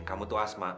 kamu tuh asma